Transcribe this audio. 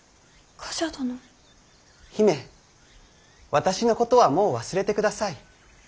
私のことはもう忘れてください。